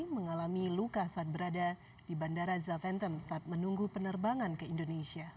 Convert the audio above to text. mengalami luka saat berada di bandara zaventem saat menunggu penerbangan ke indonesia